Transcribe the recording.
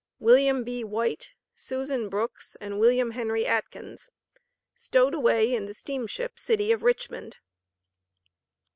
WILLIAM B. WHITE, SUSAN BROOKS AND WILLIAM HENRY ATKINS. STOWED AWAY IN THE STEAMSHIP CITY OF RICHMOND.